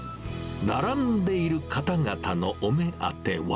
並んでいる方々のお目当ては？